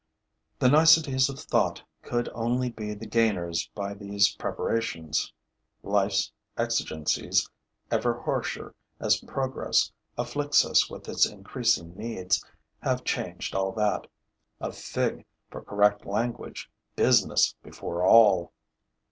The niceties of thought could only be the gainers by these preparations. Life's exigencies, ever harsher as progress afflicts us with its increasing needs, have changed all that. A fig for correct language! Business before all!